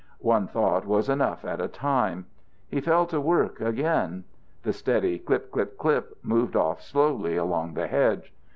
One thought was enough at a time. He fell to work again. The steady "clip clip clip" moved off slowly along the hedge.